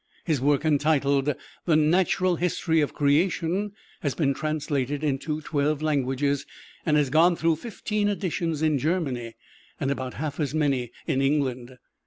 His work entitled, "The Natural History of Creation," has been translated into twelve languages, and has gone through fifteen editions in Germany, and about half as many in England.